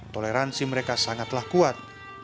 toleransi mereka sangatlah kuat